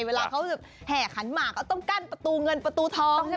เวลาเขาแห่ขันหมากก็ต้องกั้นประตูเงินประตูทองใช่ไหม